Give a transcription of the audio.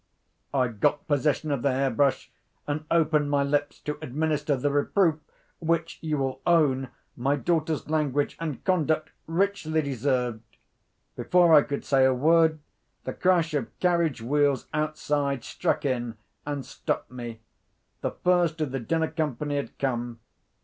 I got possession of the hair brush, and opened my lips to administer the reproof which, you will own, my daughter's language and conduct richly deserved. Before I could say a word, the crash of carriage wheels outside struck in, and stopped me. The first of the dinner company had come.